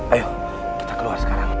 ayo kita keluar sekarang